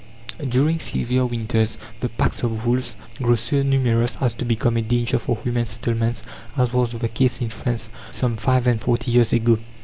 During severe winters the packs of wolves grow so numerous as to become a danger for human settlements, as was the case in France some five and forty years ago.